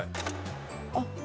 あっ。